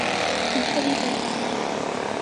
你确定行程了吗？